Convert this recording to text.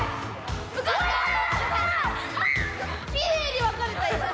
きれいにわかれたいま！